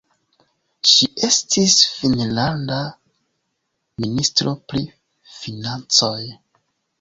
Ŝi estis finnlanda ministro pri financoj.